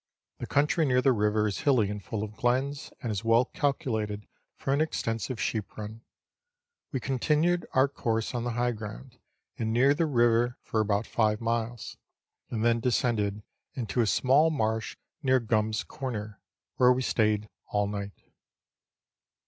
The country near the river is hilly and full of glens, and is well calculated for an extensive sheep run. We continued our course on the high ground, and near the river, for about five miles, and then descended into a small marsh near Gumm's Corner, where we stayed all night.